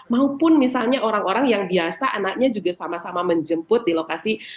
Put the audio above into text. maupun misalnya orang orang yang biasa anaknya juga sama sama menjemput di lokasi